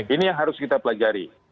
ini yang harus kita pelajari